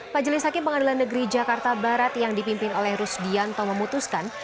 majelis hakim pengadilan negeri jakarta barat yang dipimpin oleh rusdianto memutuskan